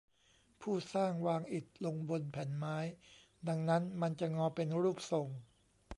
ผู้สร้างวางอิฐลงบนแผ่นไม้ดังนั้นมันจะงอเป็นรูปทรง